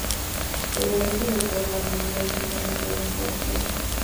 Los derechos de autor de la primera edición van incluidos en el premio.